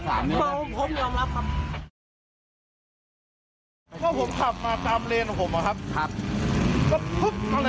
กิกอฮอล์